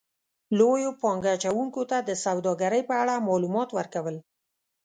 -لویو پانګه اچونکو ته د سوداګرۍ په اړه مالومات ورکو ل